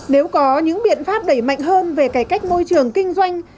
nếu có những biện pháp đẩy mạnh hơn về cải cách môi trường kinh doanh